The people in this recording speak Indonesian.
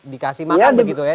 dikasih makan begitu ya